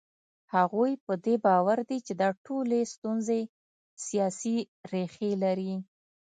هغوی په دې باور دي چې دا ټولې ستونزې سیاسي ریښې لري.